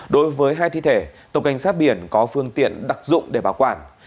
đối với hai thi thể tàu cảnh sát biển có phương tiện đặc dụng để bảo quản